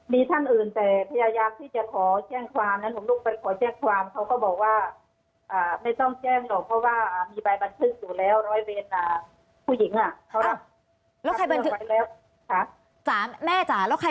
มีท่านอื่นแต่พญายากที่จะขอแจ้งความ